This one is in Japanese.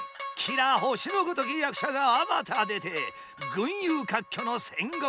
綺羅星のごとき役者があまた出て群雄割拠の戦国時代。